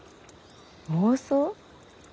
妄想？